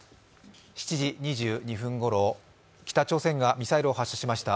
７時２２分ごろ、北朝鮮がミサイルを発射しました。